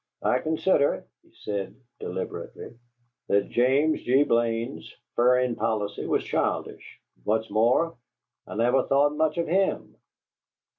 "I consider," he said, deliberately, "that James G. Blaine's furrin policy was childish, and, what's more, I never thought much of HIM!"